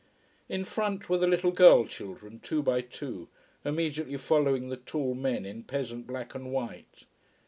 In front were the little girl children, two by two, immediately following the tall men in peasant black and white.